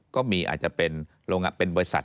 ก็มีอาจจะเป็นบริษัท